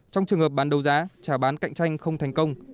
trong trường hợp bán đầu giá trả bán cạnh tranh không thành công